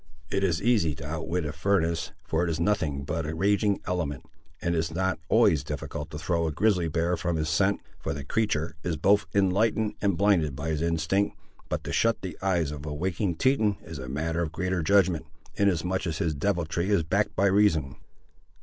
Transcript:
It is easy to outwit a furnace, for it is nothing but a raging element; and it is not always difficult to throw a grizzly bear from his scent, for the creatur' is both enlightened and blinded by his instinct; but to shut the eyes of a waking Teton is a matter of greater judgment, inasmuch as his deviltry is backed by reason."